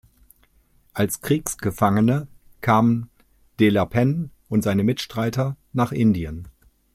Als Kriegsgefangene kamen De la Penne und seine Mitstreiter nach Indien.